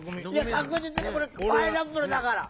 かくじつにこれ「パイナップル」だから！